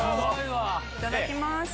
いただきます。